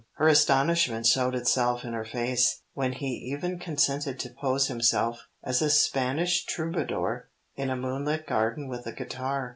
Her astonishment showed itself in her face, when he even consented to pose himself, as a Spanish troubadour in a moonlit garden with a guitar.